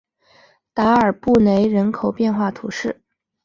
达尔布雷人口变化图示